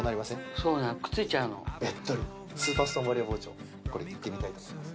そうなのくっついちゃうのべっとりスーパーストーンバリア包丁これいってみたいと思います